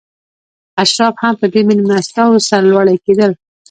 اشراف هم په دې مېلمستیاوو سرلوړي کېدل.